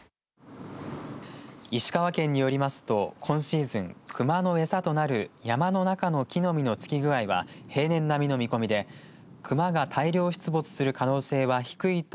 石川県によりますと今シーズン熊の餌となる山の中の木の実の付き具合は平年並みの見込みで熊が大量出没する可能性は低いと